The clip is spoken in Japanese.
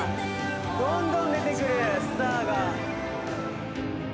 どんどん出てくるスターが。